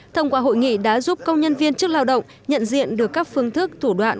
thông qua hội nghị đã giúp công nhân viên chức lao động nhận diện được các phương thức thủ đoạn